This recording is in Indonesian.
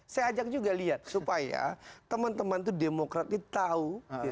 saya ajak juga lihat supaya teman teman itu demokrat ini tahu